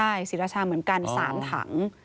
ใช่ศรีราชาเหมือนกัน๓ถัง